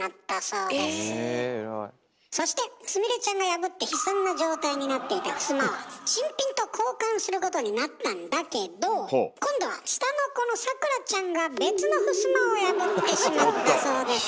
そしてすみれちゃんが破って悲惨な状態になっていたふすまは新品と交換することになったんだけど今度は下の子のさくらちゃんが別のふすまを破ってしまったそうです。